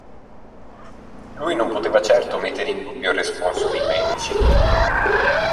Lui non poteva certo mettere in dubbio il responso dei medici.